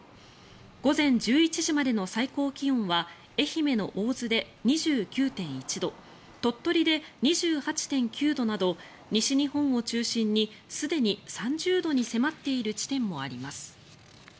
午前１１時までの最高気温は愛媛の大洲で２９．１度鳥取で２８．９度など西日本を中心にすでに３０度に迫っている地点もあります。